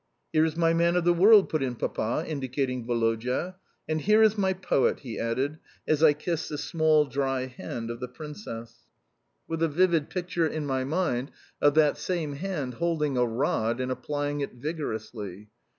"Here is my man of the world," put in Papa, indicating Woloda; "and here is my poet," he added as I kissed the small, dry hand of the Princess, with a vivid picture in my mind of that same hand holding a rod and applying it vigorously.